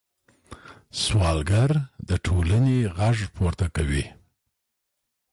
سوالګر د ټولنې غږ پورته کوي